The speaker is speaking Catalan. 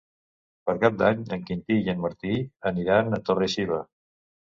Per Cap d'Any en Quintí i en Martí aniran a Torre-xiva.